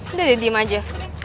udah udah diem aja